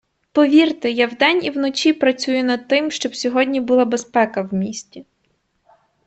Повірте, я вдень і вночі працюю над тим, щоб сьогодні була безпека в місті.